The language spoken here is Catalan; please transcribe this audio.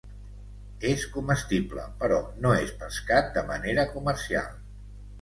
És comestible, però no és pescat de manera comercial.